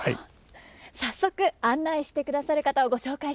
早速案内してくださる方をご紹介しましょう。